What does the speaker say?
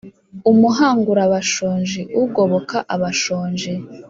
umuhangura bashonji: ugoboka abashonji